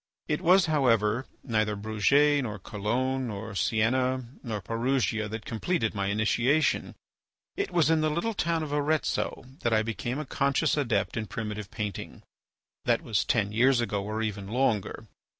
It was, however, neither Bruges, nor Cologne, nor Sienna, nor Perugia, that completed my initiation; it was in the little town of Arezzo that I became a conscious adept in primitive painting. That was ten years ago or even longer.